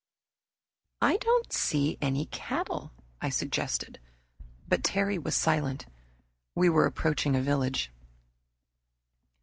"I don't see any cattle," I suggested, but Terry was silent. We were approaching a village.